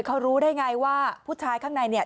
เขารู้ได้ไงว่าผู้ชายข้างในเนี่ย